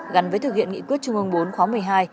gắn với thực hiện nghị quyết trung ương bốn khóa một mươi hai